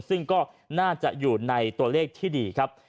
ซึ่งก็น่าจะอยู่ในตัวเลขที่ดีครับ